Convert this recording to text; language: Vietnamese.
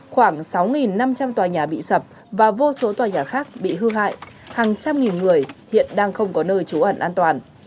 khoảng sáu năm trăm linh tòa nhà bị sập và vô số tòa nhà khác bị hư hại hàng trăm nghìn người hiện đang không có nơi trú ẩn an toàn